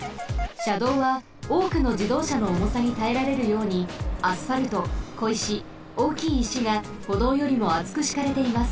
しゃどうはおおくのじどうしゃのおもさにたえられるようにアスファルトこいしおおきいいしがほどうよりもあつくしかれています。